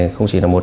không chỉ là một